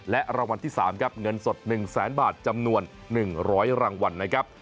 และรางวัลที่๓ครับเงินสด๑แสนบาทจำนวน๑๐๐รางวัลนะครับ